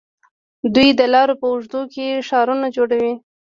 دوی د لارو په اوږدو کې ښارونه جوړوي.